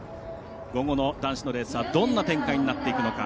午後の男子のレースはどんな展開になっていくのか。